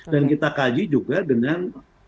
dan kita kaji juga dengan